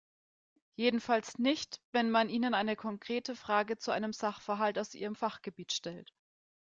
Jedenfalls nicht, wenn man ihnen eine konkrete Frage zu einem Sachverhalt aus ihrem Fachgebiet stellt.